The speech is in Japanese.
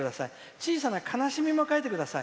小さな悲しみも書いてください。